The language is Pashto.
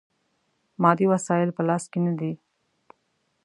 مادي وسایل په لاس کې نه وي.